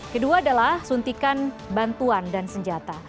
kedua adalah suntikan bantuan dan senjata